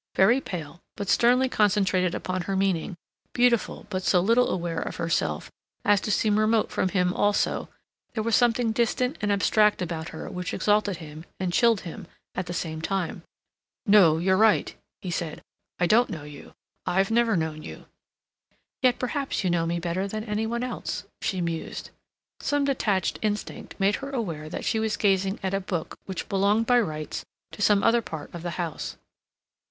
Very pale, but sternly concentrated upon her meaning, beautiful but so little aware of herself as to seem remote from him also, there was something distant and abstract about her which exalted him and chilled him at the same time. "No, you're right," he said. "I don't know you. I've never known you." "Yet perhaps you know me better than any one else," she mused. Some detached instinct made her aware that she was gazing at a book which belonged by rights to some other part of the house.